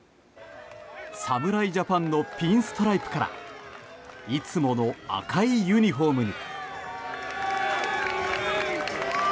侍ジャパンのピンストライプからいつもの赤いユニホームに。